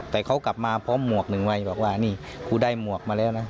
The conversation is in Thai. แต่เขากลับมาพร้อมหมวกหนึ่งวัยบอกว่านี่กูได้หมวกมาแล้วนะ